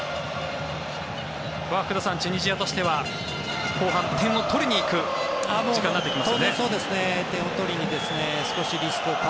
福田さん、チュニジアとしては後半、点を取りに行く時間になってきますね。